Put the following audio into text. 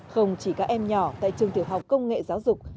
không chỉ các em nhỏ tại trường tiểu học công nghệ giáo dục